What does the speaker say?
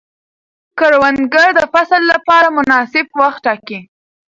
کروندګر د فصل لپاره مناسب وخت ټاکي